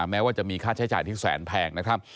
แม้ว่าจะมีค่าใช้จ่ายที่แสนแพงนะครับ